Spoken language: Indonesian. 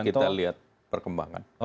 nah itu kita lihat perkembangan